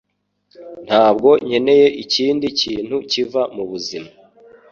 Ntabwo nkeneye ikindi kintu kiva mubuzima.